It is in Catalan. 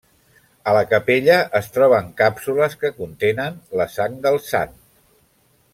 A la capella, es troben càpsules que contenen la sang del sant.